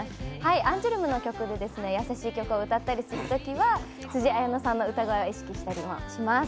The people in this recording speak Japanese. アンジュルムの曲で優しい曲を歌ったりするときはつじあやのさんの歌声を意識したりもします。